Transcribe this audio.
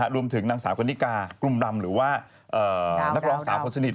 รวมถึงนางสาวกนิกากลุ่มรำหรือว่านักร้องสาวคนสนิท